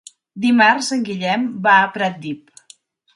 Dimarts en Guillem va a Pratdip.